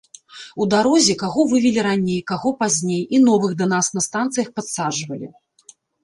У дарозе каго вывелі раней, каго пазней, і новых да нас на станцыях падсаджвалі.